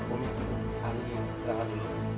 umi mari berangkat dulu